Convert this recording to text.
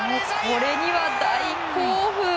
これには大興奮！